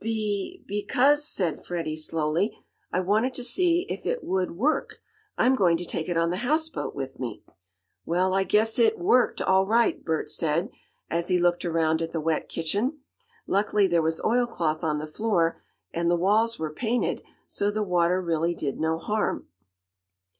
"Be be cause," said Freddie slowly, "I wanted to see if it would work. I'm going to take it on the houseboat with me." "Well, I guess it WORKED all right," Bert said, as he looked around at the wet kitchen. Luckily there was oil cloth on the floor, and the walls were painted, so the water really did no harm.